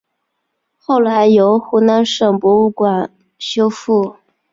后来由湖南省博物馆修复。